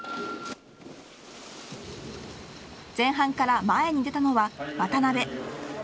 前半から前に出たのは渡辺。